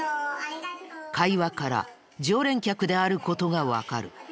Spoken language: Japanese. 会話から常連客である事がわかる。